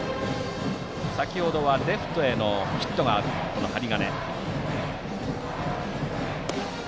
先程はレフトへのヒットがあった針金。